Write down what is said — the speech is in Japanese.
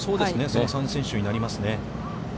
この３選手になりますね。